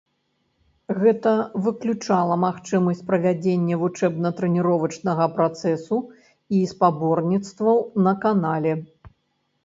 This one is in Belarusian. Гэта выключала магчымасць правядзення вучэбна-трэніровачнага працэсу і спаборніцтваў на канале.